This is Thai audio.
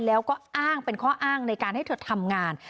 แล้วก็อ้างเป็นข้ออ้างในการให้เธอทำงาน